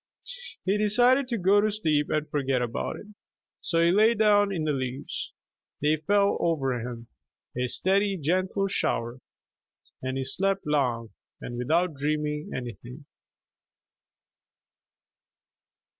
He decided to go to sleep and forget about it. So he lay down in the leaves. They fell over him, a steady, gentle shower, and he slept long, and without dreaming anything.